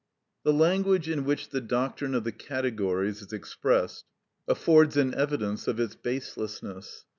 The language in which the doctrine of the categories is expressed affords an evidence of its baselessness.